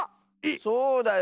そうだよ。